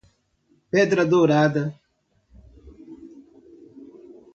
Pedra Dourada